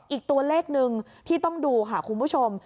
อีกตัวเลขหนึ่งที่ต้องดูค่ะคุณผู้ชม